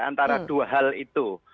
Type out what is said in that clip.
antara dua hal itu